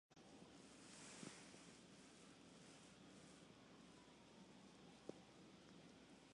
Kongo devus esti riĉa lando, ĉar ĝi havas oron, juvelojn kaj aliajn valoraĵojn.